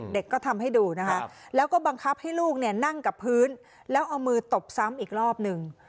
เด็กก็ทำให้ดูนะคะแล้วก็บังคับให้ลูกเนี่ยนั่งกับพื้นแล้วเอามือตบซ้ำอีกรอบหนึ่ง